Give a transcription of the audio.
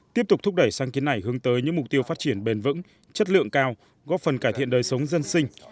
tiếp tục thúc đẩy sáng kiến này hướng tới những mục tiêu phát triển bền vững chất lượng cao góp phần cải thiện đời sống dân sinh